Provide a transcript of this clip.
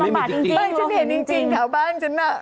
สมัยชั้นเห็นจริงขาวบ้านชั้นน่ะ